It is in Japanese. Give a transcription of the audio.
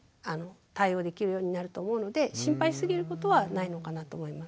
対応できるようになると思うので心配しすぎることはないのかなと思います。